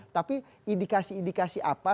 tapi indikasi indikasi apa